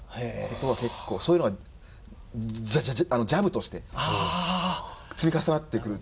そういうのはジャブとして積み重なってくるというか。